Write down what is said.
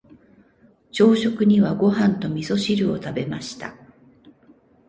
朝食にはご飯と味噌汁を食べました。